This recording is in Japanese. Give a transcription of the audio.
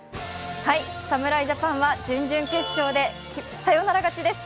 侍ジャパンは準々決勝でサヨナラ勝ちです。